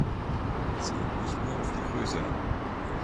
Es kommt nicht nur auf die Größe an.